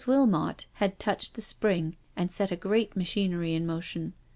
Wilmot had touched the spring and set a great machinery in motion.